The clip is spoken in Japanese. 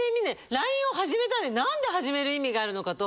ＬＩＮＥを始めたのに何で始める意味があるのかと。